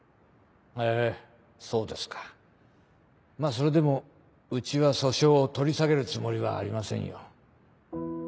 へぇそうですかまぁそれでもうちは訴訟を取り下げるつもりはありませんよ。